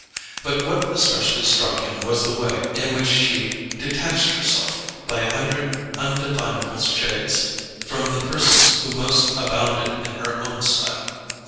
But what especially struck him was the way in which she detached herself, by a hundred undefinable shades, from the persons who most abounded in her own style.